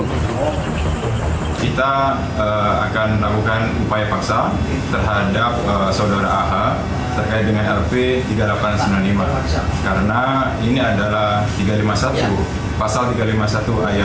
ketika adiknya menemukan adiknya adiknya akan dilakukan penjemputan paksa